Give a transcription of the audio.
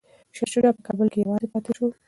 شاه شجاع په کابل کي یوازې پاتې شو.